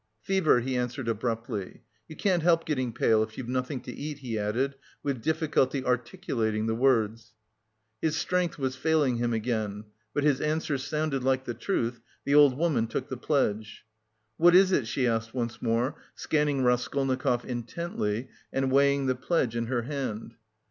"Fever," he answered abruptly. "You can't help getting pale... if you've nothing to eat," he added, with difficulty articulating the words. His strength was failing him again. But his answer sounded like the truth; the old woman took the pledge. "What is it?" she asked once more, scanning Raskolnikov intently, and weighing the pledge in her hand.